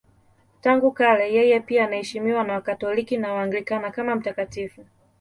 Tangu kale yeye pia anaheshimiwa na Wakatoliki na Waanglikana kama mtakatifu.